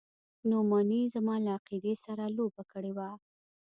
نعماني زما له عقيدې سره لوبه کړې وه.